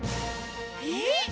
えっ？